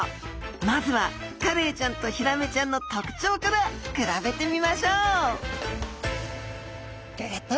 まずはカレイちゃんとヒラメちゃんの特徴から比べてみましょうギョギョッと！